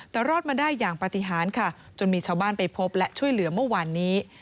แต่รอดมาได้อย่างปฏิหารค่ะจนมีชาวบ้านไปพบและช่วยเหลือเมื่อวานนี้